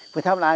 vườn tháp là ai